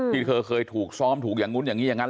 ที่เธอเคยถูกซ้อมถูกอย่างนู้นอย่างนี้อย่างนั้น